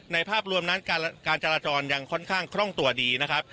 ภาพรวมนั้นการจราจรยังค่อนข้างคล่องตัวดีนะครับ